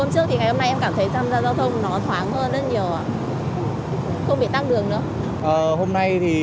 so với những ngày hôm trước thì ngày hôm nay em cảm thấy